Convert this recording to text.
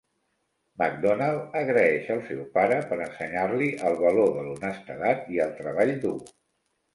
McDonald agraeix el seu pare per ensenyar-li el valor de l'honestedat i el treball dur.